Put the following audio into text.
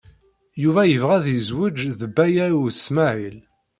Yuba yebɣa ad yezweǧ d Baya U Smaɛil.